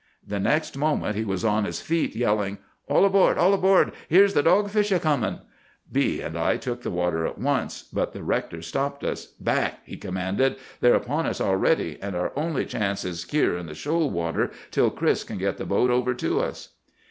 The next moment he was on his feet, yelling, 'All aboard! all aboard! Here's the dogfish a comin'!' "B—— and I took the water at once, but the rector stopped us. 'Back!' he commanded. 'They're upon us already, and our only chance is here in the shoal water till Chris can get the boat over to us.